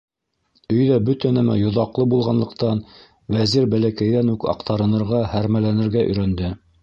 Өйҙә бөтә нәмә йоҙаҡлы булғанлыҡтан, Вәзир бәләкәйҙән үк аҡтарынырға, һәрмәләнергә өйрәнде.